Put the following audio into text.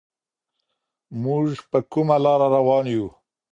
موږ په کومه لاره روان يو؟